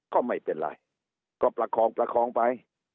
ก็ไม่เป็นไรก็ประคองประคองไป